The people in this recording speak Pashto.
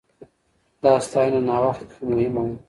دا ستاينه ناوخته خو مهمه وه.